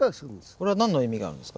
これは何の意味があるんですか？